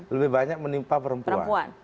lebih banyak menimpa perempuan